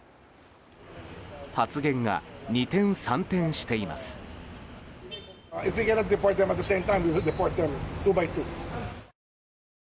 発言が二転三転しています。